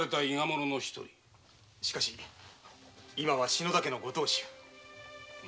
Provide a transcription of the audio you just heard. しかし今は篠田家の御当主。